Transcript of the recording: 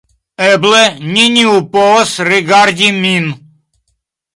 Eble, neniu povas rigardi min